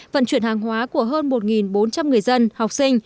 vận chuyển hàng hóa của các cây cầu